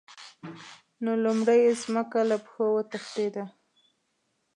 نو لومړی یې ځمکه له پښو وتښتېده.